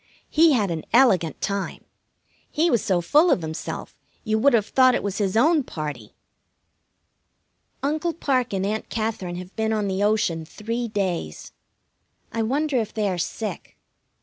He had an elegant time. He was so full of himself you would have thought it was his own party. Uncle Parke and Aunt Katherine have been on the ocean three days. I wonder if they are sick.